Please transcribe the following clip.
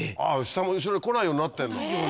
下も後ろへ来ないようになってんの。